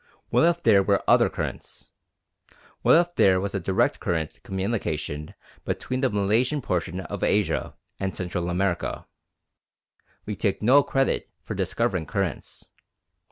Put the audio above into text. What if there were other currents? What if there was a direct current communication between the Malaysian portion of Asia and Central America? We take no credit for discovering currents.